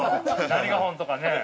何が本当かね。